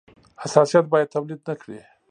حساسیت باید تولید نه کړي.